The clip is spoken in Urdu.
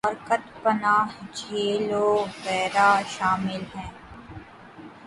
اور کت پناہ جھیل وغیرہ شامل ہیں